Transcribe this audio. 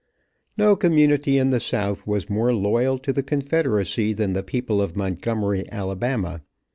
No community in the south was more loyal to the confederacy than the people of Montgomery, Alabama.